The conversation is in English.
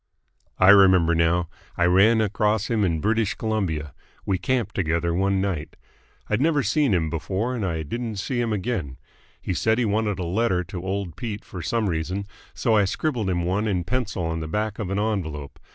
"I remember now. I ran across him in British Columbia. We camped together one night. I'd never seen him before and I didn't see him again. He said he wanted a letter to old Pete for some reason, so I scribbled him one in pencil on the back of an envelope.